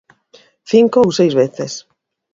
Cinco ou seis veces.